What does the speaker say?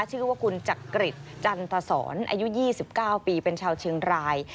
ชื่อว่าคุณจักริจจันทศรอายุ๒๙ปีเป็นชาวเชียงราย